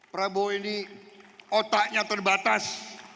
prabowo ini otaknya terbatas